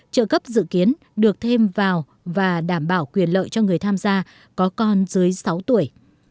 trợ cấp dự kiến được thêm vào và đảm bảo quyền lợi cho người tham gia có con dưới sáu tuổi